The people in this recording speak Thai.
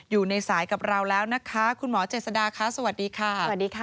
อยู่ในสายกับเราแล้วนะคะคุณหมอเจษดาคะสวัสดีค่ะสวัสดีค่ะ